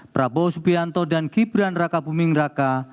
prabowo subianto dan gibran raka buming raka